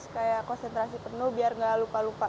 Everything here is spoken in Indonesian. kayak konsentrasi penuh biar gak lupa lupa